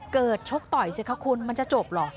เกิดชกต่อยเสียข้าวคุณมันจะจบหรอ